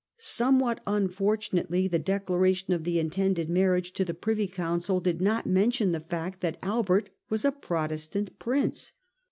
Somewhat un fortunately, the declaration of the intended marriage to the Privy Council did not mention the fact that Albert was a Protestant Prince.